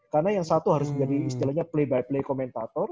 karena yang satu harus menjadi istilahnya play by play komentator